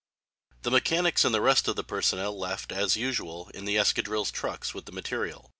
The mechanics and the rest of the personnel left, as usual, in the escadrille's trucks with the material.